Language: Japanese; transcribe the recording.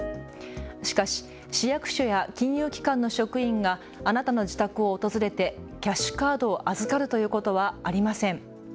しかし市役所や金融機関の職員があなたの自宅を訪れてキャッシュカードを預かるということはありません。